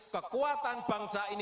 kekuatan bangsa ini